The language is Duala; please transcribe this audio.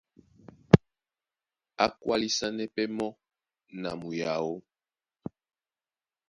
A kwálisanɛ pɛ́ mɔ́ na muyaó.